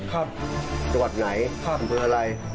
จังหวัดไหนเป็นอะไร